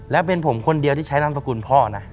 และเป็นผมคนเดียวที่ใช้นามสกุลพ่อนะ